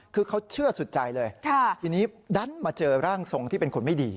คือเขาเชื่อสุดใจเลยทีนี้ดันมาเจอร่างทรงที่เป็นคนไม่ดี